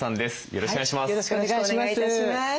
よろしくお願いします。